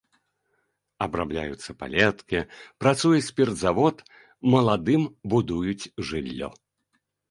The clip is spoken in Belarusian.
Абрабляюцца палеткі, працуе спіртзавод, маладым будуюць жыллё.